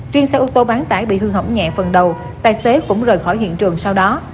riêng xe ô tô bán tải bị hư hỏng nhẹ phần đầu tài xế cũng rời khỏi hiện trường sau đó